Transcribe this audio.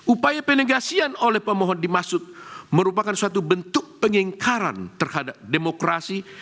upaya penegasian oleh pemohon dimaksud merupakan suatu bentuk pengingkaran terhadap demokrasi